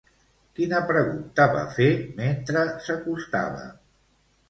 Quina pregunta va fer mentre s'acostava?